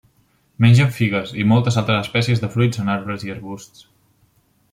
Mengen figues i moltes altres espècies de fruits en arbres i arbusts.